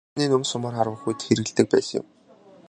Эрт үед байлдааны нум сумаар харвах үед хэрэглэдэг байсан юм.